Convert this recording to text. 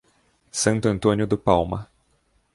Santo Antônio do Palma